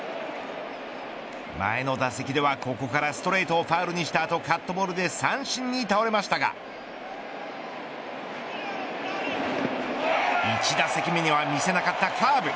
前の打席では、ここからストレートをファウルにした後カットボールで三振に倒れましたが１打席目には見せなかったカーブ。